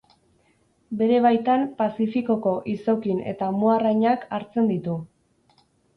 Bere baitan Pazifikoko izokin eta amuarrainak hartzen ditu.